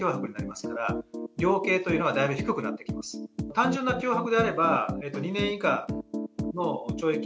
単純な脅迫であれば２年以下の懲役。